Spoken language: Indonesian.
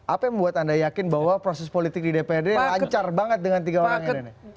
apa yang membuat anda yakin bahwa proses politik di dprd lancar banget dengan tiga orang yang ini